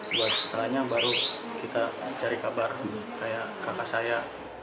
dua setelahnya baru kita cari kabar kayak kakak saya